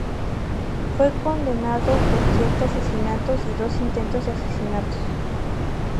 Fue condenado por siete asesinatos y dos intentos de asesinatos.